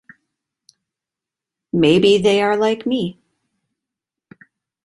Maybe they are like me.